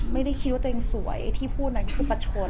ไม่ได้คิดว่าตัวเองสวยไอ้ที่พูดนั้นคือประชน